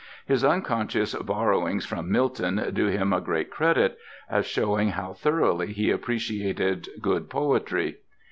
His unconscious borrowings from Milton do him great credit, as showing how thoroughly he appreciated good poetry.